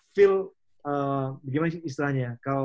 feel bagaimana sih istilahnya